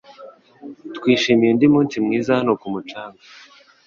Twishimiye undi munsi mwiza hano ku mucanga